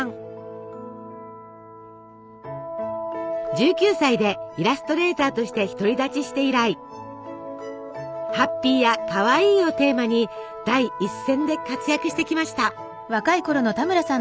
１９歳でイラストレーターとして独り立ちして以来ハッピーやかわいいをテーマに第一線で活躍してきました。